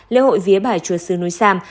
lễ hội vía bài chúa sư núi sam